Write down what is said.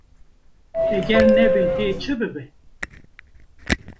Eger nebe dê çi bibe?